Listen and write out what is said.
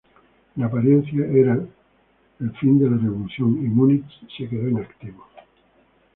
En apariencia era en fin de la revolución y Muniz se quedó inactivo.